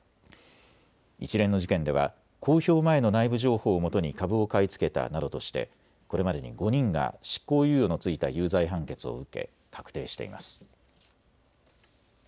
一連の事件では公表前の内部情報をもとに株を買い付けたなどとしてこれまでに５人が執行猶予の付いた有罪判決を受け確定しています。